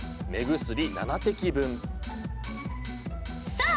さあ